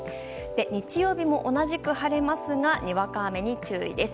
日曜日も同じく晴れますが、にわか雨に注意です。